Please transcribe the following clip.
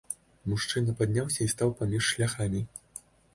Мужчына падняўся і стаў паміж шляхамі.